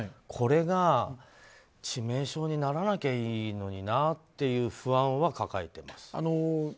これが致命傷にならなきゃいいのになっていう不安は抱えてます。